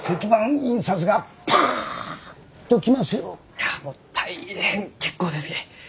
いやもう大変結構ですき！